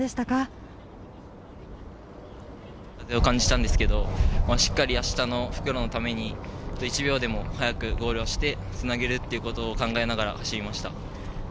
風を感じたですけれど、しっかり明日の復路のために１秒でも早くゴールをしてつなげるということを考えながら走りました。